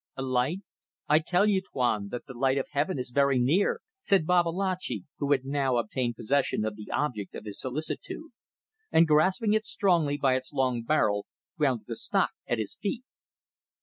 "A light! I tell you, Tuan, that the light of heaven is very near," said Babalatchi, who had now obtained possession of the object of his solicitude, and grasping it strongly by its long barrel, grounded the stock at his feet.